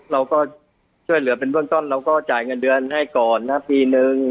เราก็ช่วยเหลือเป็นเบื้องต้นเราก็จ่ายเงินเดือนให้ก่อนนะปีนึง